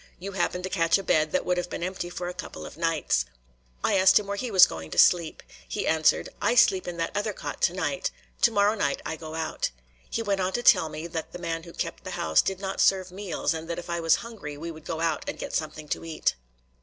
You happen to catch a bed that would have been empty for a couple of nights." I asked him where he was going to sleep. He answered: "I sleep in that other cot tonight; tomorrow night I go out." He went on to tell me that the man who kept the house did not serve meals, and that if I was hungry, we would go out and get something to eat.